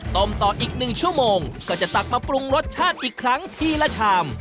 ต่ออีก๑ชั่วโมงก็จะตักมาปรุงรสชาติอีกครั้งทีละชาม